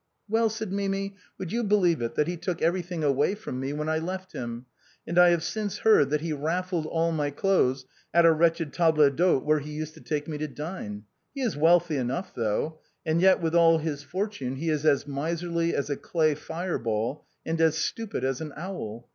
" Well," said Mimi, " would you believe it, that he took everything away from me when I left him, and I have since heard that he raffled all my clothes at a wretched table d'hôte where he used to take me to dine. He is wealthy enough, though, and yet with all his fortune he is as miserly as a clay fire ball and as stupid as an owl.